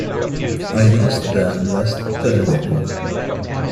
I lost them last Thursday.